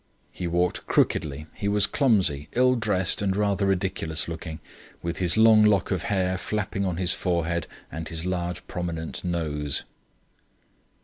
He walked crookedly; he was clumsy, ill dressed, and rather ridiculous looking, with his long lock of hair flapping on his forehead, and his large prominent nose."